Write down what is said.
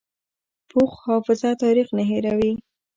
پوخ حافظه تاریخ نه هېروي